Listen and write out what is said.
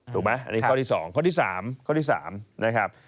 ถูกไหมอันนี้ข้อที่๒ข้อที่๓ข้อที่๓นะครับ